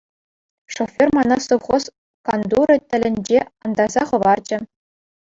Шофер мана совхоз кантурӗ тӗлӗнче антарса хӑварчӗ.